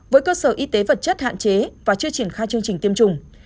với cơ sở y tế vật chất hạn chế và chưa triển khai chương trình tiêm chủng